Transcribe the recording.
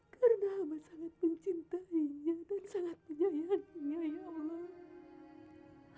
karena hamba sangat mencintainya dan sangat menyayanginya ya allah